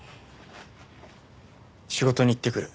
仕事に行ってくる。